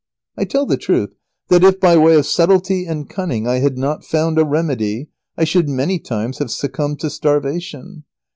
] I tell the truth, that if, by way of subtlety and cunning, I had not found a remedy, I should many times have succumbed to starvation.